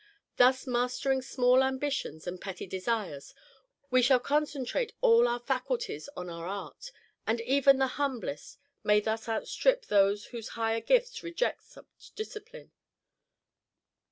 Thus mastering small ambitions and petty desires, we shall concentrate all our faculties on our art; and even the humblest may thus outstrip those whose higher gifts reject such discipline."